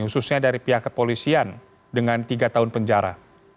khususnya dari pihak kepolisian dengan tiga tahun penjara